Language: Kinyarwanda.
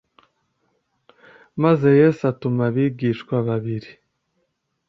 maze Yesu atuma abigishwa babiri